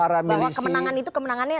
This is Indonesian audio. bahwa kemenangan itu kemenangannya